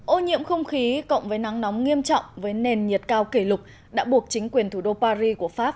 ô nhiễm không khí cộng với nắng nóng nghiêm trọng với nền nhiệt cao kỷ lục đã buộc chính quyền thủ đô paris của pháp